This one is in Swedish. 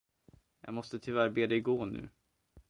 Jag måste tyvärr be dig gå nu.